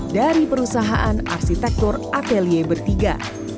dari perusahaan arsitektur atelia bertiga